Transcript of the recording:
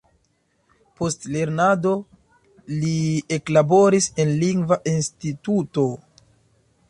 Post lernado li eklaboris en lingva instituto.